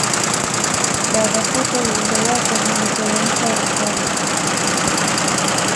Barafuto iliendelea kwenye mitelemko ya kando